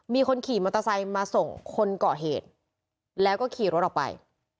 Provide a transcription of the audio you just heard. มีคนขี่มอเตอร์ไซค์มาส่งคนเกาะเหตุแล้วก็ขี่รถออกไป